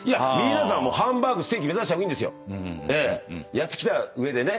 やってきた上でね。